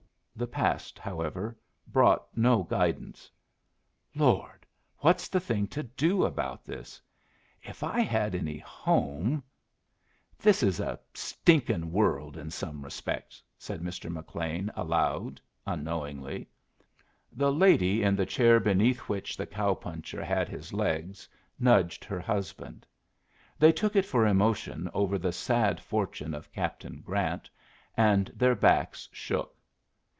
The past, however, brought no guidance. "Lord, what's the thing to do about this? If I had any home This is a stinkin' world in some respects," said Mr. McLean, aloud, unknowingly. The lady in the chair beneath which the cow puncher had his legs nudged her husband. They took it for emotion over the sad fortune of Captain Grant, and their backs shook.